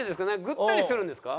ぐったりするんですか？